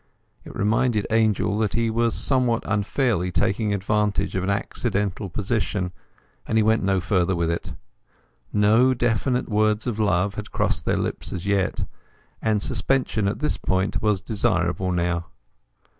It reminded Angel that he was somewhat unfairly taking advantage of an accidental position; and he went no further with it. No definite words of love had crossed their lips as yet, and suspension at this point was desirable now.